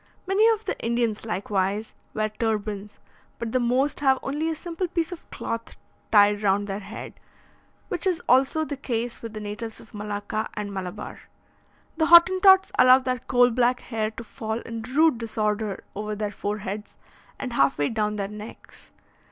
Many of the Indians, likewise, wear turbans; but the most have only a simple piece of cloth tied round their head, which is also the case with the natives of Malacca and Malabar. The Hottentots allow their coal black hair to fall in rude disorder over their foreheads and half way down their necks.